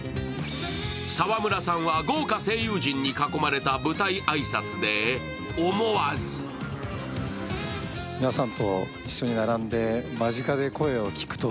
沢村さんは豪華声優陣に囲まれた舞台挨拶で思わずケンジくんさっちゃん